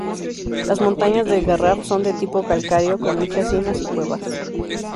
Las montañas del Garraf son de tipo calcáreo con muchas simas y cuevas.